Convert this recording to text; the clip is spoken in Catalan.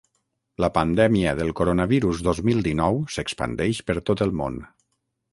La pandèmia del coronavirus dos mil dinou s’expandeix per tot el món.